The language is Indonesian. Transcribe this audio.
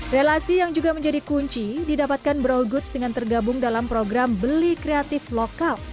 relasi yang juga menjadi kunci didapatkan brow goods dengan tergabung dalam program beli kreatif lokal